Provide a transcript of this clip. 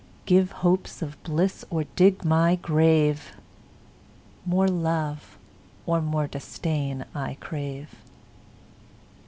10 Give hopes of bliss or dig my grave: More love or more disdain I crave.